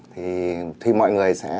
thì mọi người sẽ